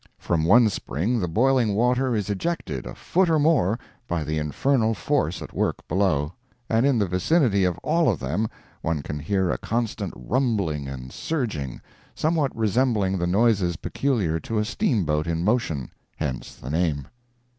From one spring the boiling water is ejected a foot or more by the infernal force at work below, and in the vicinity of all of them one can hear a constant rumbling and surging, somewhat resembling the noises peculiar to a steamboat in motion—hence the name.